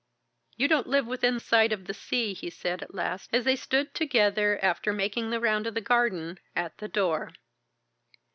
"You don't live within sight of the sea," he said at last as they stood together, after making the round of the garden, at the door.